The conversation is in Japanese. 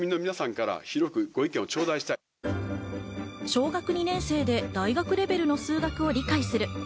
小学２年生で大学レベルの数学を理解する。